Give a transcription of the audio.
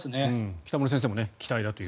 北村先生も期待だと。